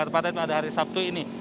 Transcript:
pada hari sabtu ini